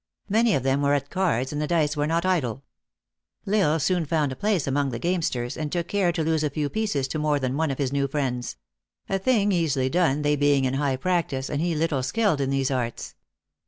Many of them were at cards, and the dice were not idle. L Isle soon found a place among the gamesters, and took care to lose a few pieces to more than one of his new friends; a thing easily done, they being in high practice, and he little skilled in these arts.